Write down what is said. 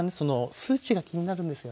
数値が気になるんですよね。